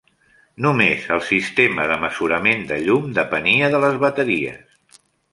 Només el sistema de mesurament de llum depenia de les bateries.